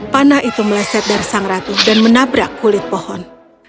panah itu meleset dari sang ratu dan menabrak kulit pohon